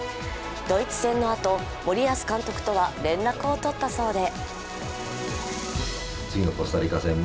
ドイツ戦のあと、森保監督とは連絡を取ったそうで。